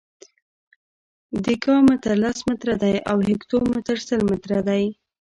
دیکا متر لس متره دی او هکتو متر سل متره دی.